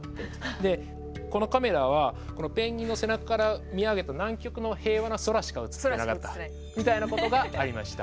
でこのカメラはこのペンギンの背中から見上げた南極の平和な空しか映ってなかったみたいなことがありました。